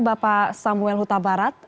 bapak samuel hutabarat